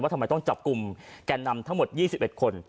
ทำไมต้องจับกลุ่มแก่นำทั้งหมด๒๑คน